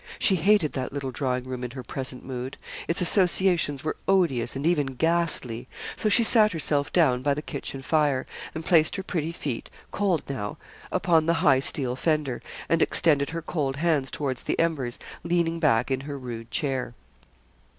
She hated that little drawing room in her present mood its associations were odious and even ghastly; so she sat herself down by the kitchen fire, and placed her pretty feet cold now upon the high steel fender, and extended her cold hands towards the embers, leaning back in her rude chair.